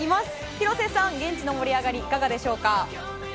廣瀬さん、現地の盛り上がりはいかがでしょうか？